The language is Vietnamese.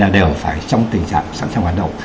đều phải trong tình trạng sẵn sàng hoạt động